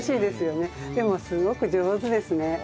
でもすごく上手ですね。